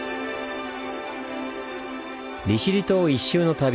利尻島一周の旅。